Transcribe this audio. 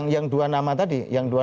yang dua nama tadi